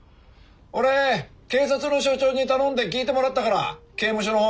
俺警察の署長に頼んで聞いてもらったから刑務所の方に。